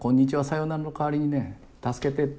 「さよなら」の代わりにね「助けて」